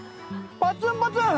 パツンパツン。